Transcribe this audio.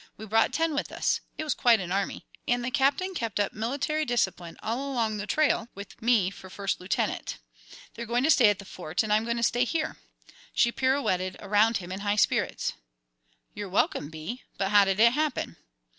We brought ten with us it was quite an army, and the Captain kept up military discipline all along the trail, with me for First Lieutenant. They're going to stay at the Fort, and I'm going to stay here." She pirouetted around him in high spirits. "You're welcome, Bee; but how did it happen?"